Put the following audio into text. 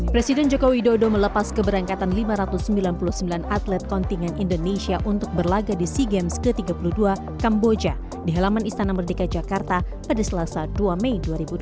presiden jokowi dodo melepas keberangkatan lima ratus sembilan puluh sembilan atlet kontingen indonesia untuk berlaga di sea games ke tiga puluh dua kamboja di halaman istana merdeka jakarta pada selasa dua mei dua ribu dua puluh